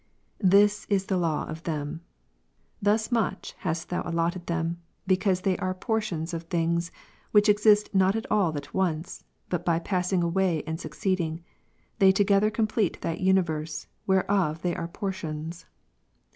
This is the law of them. Thus much hast Thou allotted them, because they are portions of things, which exist not all at once, but by passing away and succeed J ing, they together complete that universe, whereof they are portions.